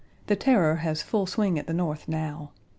The Terror has full swing at the North now.